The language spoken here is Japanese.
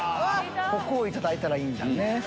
ここをいただいたらいいんやね。